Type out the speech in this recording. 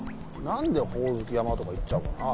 何でホオズキ山とか言っちゃうかな。